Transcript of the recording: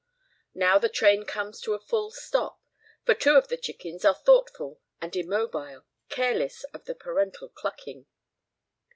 Now the train comes to a full stop, for two of the chickens are thoughtful and immobile, careless of the parental clucking.